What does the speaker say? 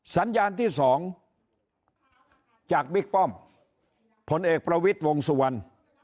สัญญาณที่๒จากบิ๊กป้อมผลเอกประวิทย์วงสุวรรณ